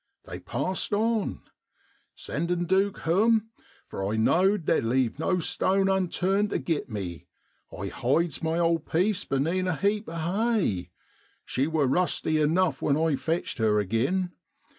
They passed on. Sendin' Duke hoam, for I know'd they'd leave no stone upturned tu git me, I hides my old piece benean a heap of hay (she wor rusty enough when I fetched her agin